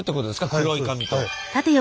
黒い紙と。